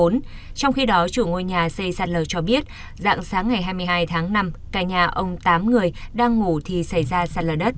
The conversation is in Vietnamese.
trong khi đó chủ ngôi nhà xây sạt lở cho biết dạng sáng ngày hai mươi hai tháng năm cả nhà ông tám người đang ngủ thì xảy ra sạt lở đất